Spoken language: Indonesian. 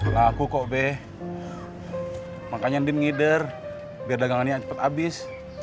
laku kok be makanya din ngider biar dagangannya cepet abis